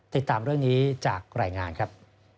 ติดตามเรื่องนี้จากรายงานครับ